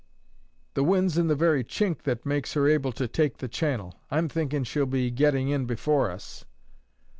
"The wind's in the very chink that makes her able to take the channel. I'm thinking she'll be getting in before us."